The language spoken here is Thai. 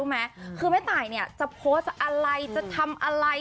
แม่ตายจะโพสต์อะไรจะทำอะไร